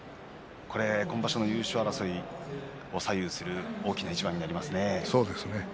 今場所の優勝争い左右する大きな一番ですね。